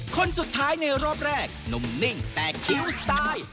คนสุดท้ายในรอบแรกหนุ่มนิ่งแตกคิ้วสไตล์